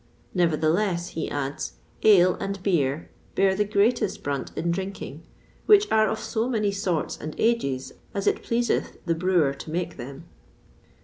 "Nevertheless," he adds, "ale and beere beare the greatest brunt in drincking, which are of so many sortes and ages as it pleaseth the brewer to make them.